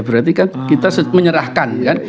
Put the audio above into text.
berarti kan kita menyerahkan kan